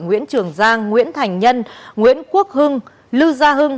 nguyễn trường giang nguyễn thành nhân nguyễn quốc hưng lưu gia hưng